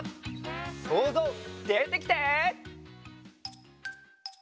そうぞうでてきて！